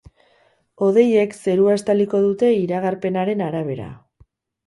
Hodeiek zerua estaliko dute iragarpenaren arabera.